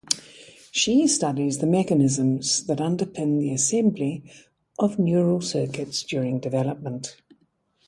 She studies the mechanisms that underpin the assembly of neural circuits during development.